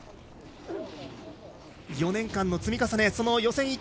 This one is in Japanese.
４年間の積み重ねその予選